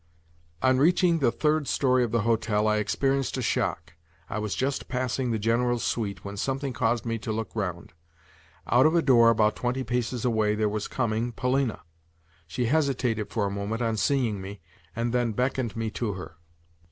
On reaching the third storey of the hotel I experienced a shock. I was just passing the General's suite when something caused me to look round. Out of a door about twenty paces away there was coming Polina! She hesitated for a moment on seeing me, and then beckoned me to her.